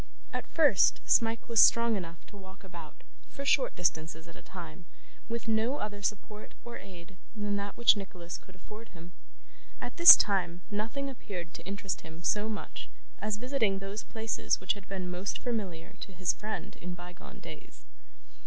At first, Smike was strong enough to walk about, for short distances at a time, with no other support or aid than that which Nicholas could afford him. At this time, nothing appeared to interest him so much as visiting those places which had been most familiar to his friend in bygone days.